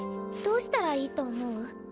どうしたらいいと思う？